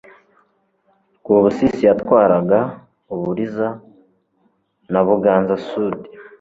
Rwubusisi yatwaraga Uburiza na BuganzaSud